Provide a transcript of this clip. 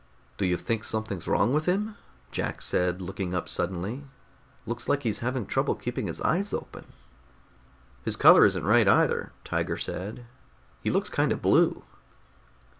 _" "Do you think something's wrong with him?" Jack said, looking up suddenly. "Looks like he's having trouble keeping his eyes open." "His color isn't right, either," Tiger said. "He looks kind of blue."